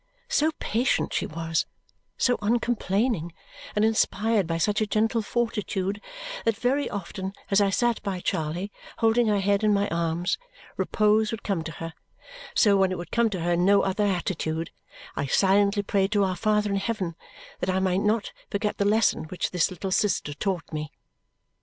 So patient she was, so uncomplaining, and inspired by such a gentle fortitude that very often as I sat by Charley holding her head in my arms repose would come to her, so, when it would come to her in no other attitude I silently prayed to our Father in heaven that I might not forget the lesson which this little sister taught me.